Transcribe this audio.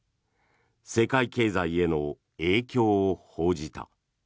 世界経済への影響を報じた。